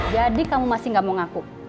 jadi kamu masih gak mau ngaku